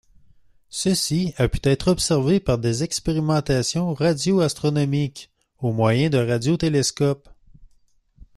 Ceci a pu être observé par des expérimentations radioastronomiques au moyen de radiotélescopes.